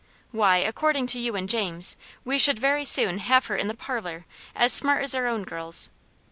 Why, according to you and James, we should very soon have her in the parlor, as smart as our own girls.